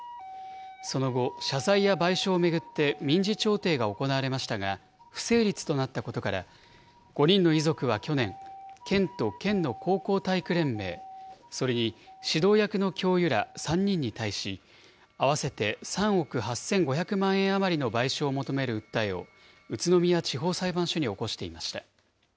その後、謝罪や賠償を巡って民事調停が行われましたが、不成立となったことから、５人の遺族は去年、県と県の高校体育連盟、それに指導役の教諭ら３人に対し、合わせて３億８５００万円余りの賠償を求める訴えを、宇都宮地方裁判所に起こしていました。